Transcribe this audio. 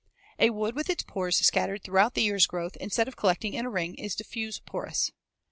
A wood with its pores scattered throughout the year's growth instead of collected in a ring is diffuse porous.